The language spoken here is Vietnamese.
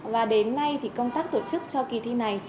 và đến nay thì công tác tổ chức cho kỳ thi này